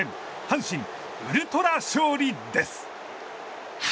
阪神、ウル虎勝利です！